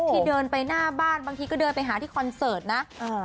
ที่เดินไปหน้าบ้านบางทีก็เดินไปหาที่คอนเสิร์ตนะเออ